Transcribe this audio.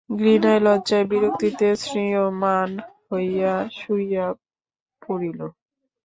ঘৃণায় লজ্জায় বিরক্তিতে ম্রিয়মাণ হইয়া শুইয়া পড়িল।